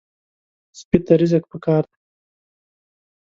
سپي ته رزق پکار دی.